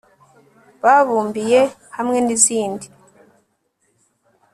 babumbiye hamwe n izindi